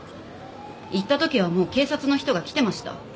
行った時はもう警察の人が来てました。